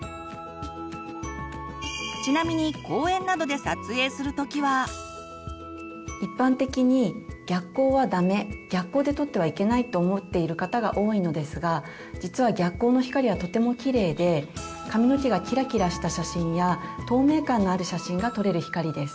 ちなみに一般的に逆光はダメ逆光で撮ってはいけないと思っている方が多いのですが実は逆光の光はとてもきれいで髪の毛がキラキラした写真や透明感のある写真が撮れる光です。